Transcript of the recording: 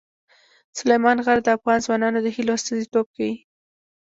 سلیمان غر د افغان ځوانانو د هیلو استازیتوب کوي.